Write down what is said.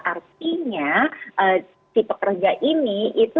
artinya si pekerja ini